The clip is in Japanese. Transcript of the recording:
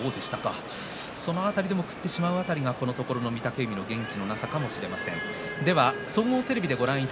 それでも食ってしまうのがこのところの御嶽海の弱さかもしれません。